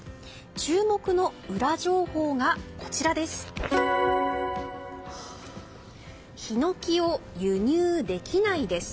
注目のウラ情報がこちらです。